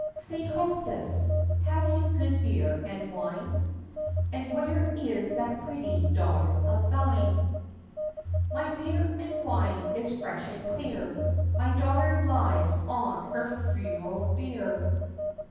"Say, hostess, have you good beer and wine? And where is that pretty daughter of thine?" "My beer and wine is fresh and clear. My daughter lies on her funeral bier."